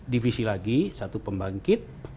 divisi lagi satu pembangkit